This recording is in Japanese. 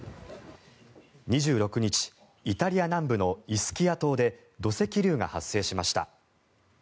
２６日イタリア南部のイスキア島で土石流が発生しました。